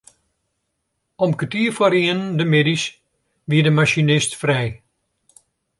Om kertier foar ienen de middeis wie de masinist frij.